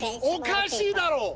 おかしいだろ！